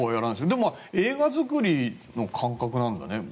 でも映画作りの感覚なんだね。